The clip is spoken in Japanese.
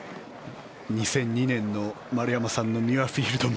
２００２年の丸山さんのミュアフィールドも。